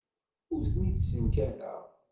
Ur ten-id-ssenkareɣ.